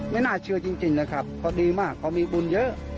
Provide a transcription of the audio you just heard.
น่าเชื่อจริงนะครับเขาดีมากเขามีบุญเยอะ